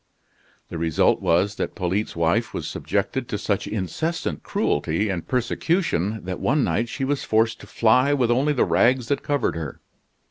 The result was that Polyte's wife was subjected to such incessant cruelty and persecution that one night she was forced to fly with only the rags that covered her.